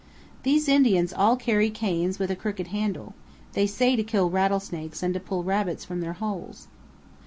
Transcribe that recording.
These Indians all carry canes with a crooked handle, they say to kill rattlesnakes and to pull rabbits from their holes.